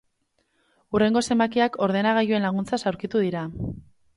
Hurrengo zenbakiak ordenagailuen laguntzaz aurkitu dira.